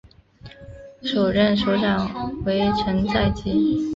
首任首长为成在基。